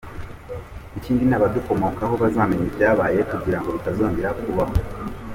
Ikindi n’abadukomoka ho bazamenye ibyabaye kugira ngo bitazongera ho kubaho.